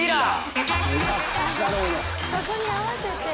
そこに合わせて。